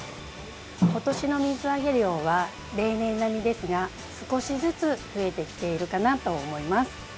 今年の水揚げ量は例年並みですが少しずつ増えてきているかなと思います。